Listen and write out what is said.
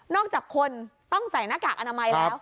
อกจากคนต้องใส่หน้ากากอนามัยแล้ว